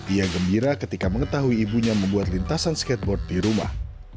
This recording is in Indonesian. ia gembira ketika mengetahui ibunya membuat lintasan skateboard di rumah